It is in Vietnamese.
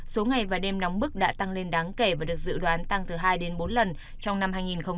số ngày và đêm nóng bức đã tăng lên đáng kể và được dự đoán tăng từ hai đến bốn lần trong năm hai nghìn hai mươi